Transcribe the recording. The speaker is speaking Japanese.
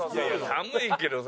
寒いけどさ。